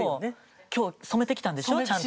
今日染めてきたんでしょちゃんと。